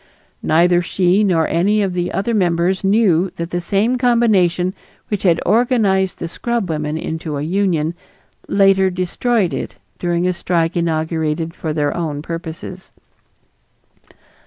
Neither she nor any of the other members knew that the same combination which had organized the scrubwomen into a union later destroyed it during a strike inaugurated for their own purposes.